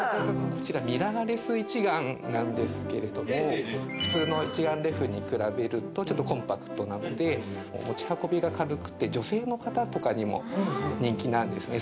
こちらミラーレス一眼なんですけれども、普通の一眼レフに比べるとちょっとコンパクトなので、持ち運びが軽くて、女性の方とかにも人気なんですね。